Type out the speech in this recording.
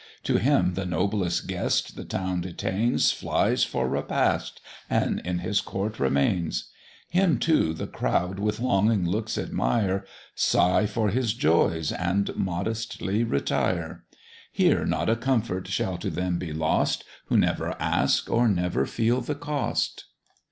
To him the noblest guest the town detains Flies for repast, and in his court remains; Him too the crowd with longing looks admire, Sigh for his joys, and modestly retire; Here not a comfort shall to them be lost Who never ask or never feel the cost.